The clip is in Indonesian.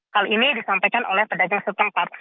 hal ini disampaikan oleh pedagang setempat